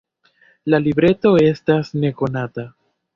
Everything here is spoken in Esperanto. La libreto estas nekonata.